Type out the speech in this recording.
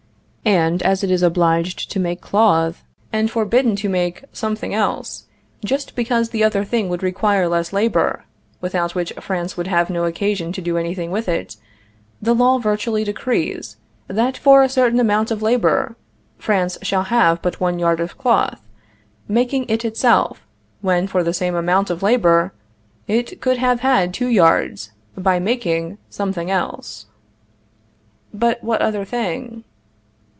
And as it is obliged to make cloth, and forbidden to make something else, just because the other thing would require less labor (without which France would have no occasion to do anything with it), the law virtually decrees, that for a certain amount of labor, France shall have but one yard of cloth, making it itself, when, for the same amount of labor, it could have had two yards, by making something else. But what other thing?